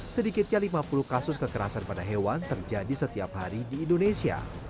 sedikitnya lima puluh kasus kekerasan pada hewan terjadi setiap hari di indonesia